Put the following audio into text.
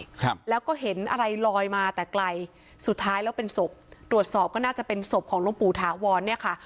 ครับแล้วก็เห็นอะไรลอยมาแต่ไกลสุดท้ายแล้วเป็นศพตรวจสอบก็น่าจะเป็นศพของหลวงปู่ถาวรเนี่ยค่ะ